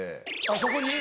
あっそこに？